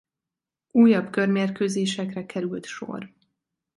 Újabb körmérkőzésekre került sor.